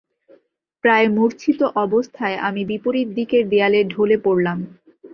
প্রায় মুর্ছিত অবস্থায় আমি বিপরীত দিকের দেয়ালে ঢলে পড়লাম।